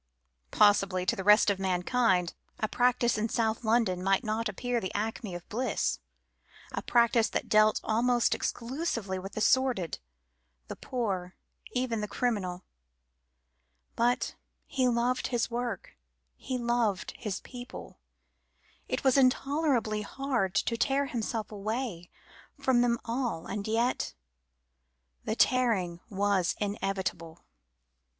Possibly, to the rest of mankind, a practice in South London might not appear the acme of bliss a practice that dealt almost exclusively with the sordid, the poor, even the criminal; but he loved his work, he loved his people; it was intolerably hard to tear himself away from them all, and yet the tearing was inevitable.